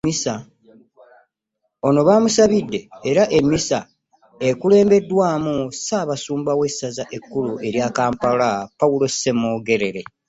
Ono bamusabidde era emmisa ekulembeddwamu Ssaabasumba w'essaza ekkulu erya Kampala, Paul Ssemogerere